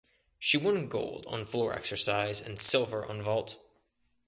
She won gold on floor exercise and silver on vault.